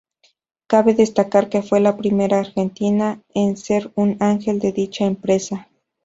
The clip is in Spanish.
Cabe destacar que fue la primera argentina en ser un "angel" de dicha empresa.